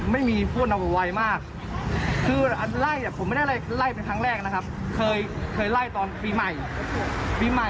มันไม่พูดอะไรครับมันก็มันบอกว่าเป็นคนบ้าอย่างเดียวเลย